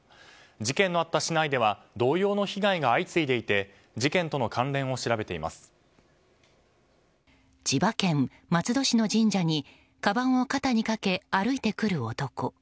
事件のあった市内では同様の被害が相次いでいて千葉県松戸市の神社にかばんを肩にかけ歩いて来る男。